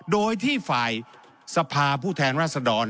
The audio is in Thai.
โดยที่ฝ่ายสภาผู้แทนรัศดร